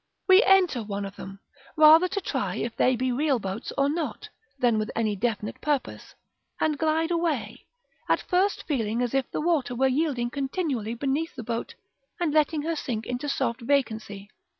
We enter one of them, rather to try if they be real boats or not, than with any definite purpose, and glide away; at first feeling as if the water were yielding continually beneath the boat and letting her sink into soft vacancy.